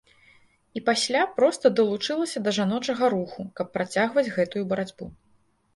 І пасля проста далучылася да жаночага руху, каб працягваць гэтую барацьбу.